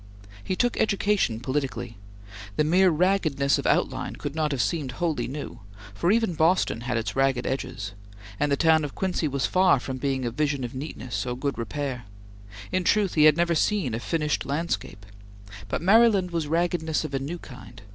He took education politically. The mere raggedness of outline could not have seemed wholly new, for even Boston had its ragged edges, and the town of Quincy was far from being a vision of neatness or good repair; in truth, he had never seen a finished landscape; but Maryland was raggedness of a new kind.